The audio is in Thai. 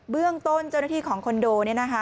เบื้องต้นเจ้าหน้าที่ของคอนโดนะครับ